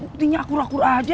buktinya akur akur aja